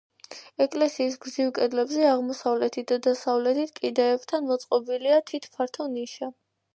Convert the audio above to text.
ეკლესიის გრძივ კედლებზე, აღმოსავლეთით და დასავლეთით კიდეებთან, მოწყობილია თით, ფართო ნიშა.